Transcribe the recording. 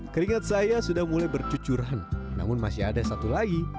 keringat saya sudah mulai bercucuran namun masih ada satu lagi